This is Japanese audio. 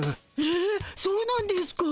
えっそうなんですか？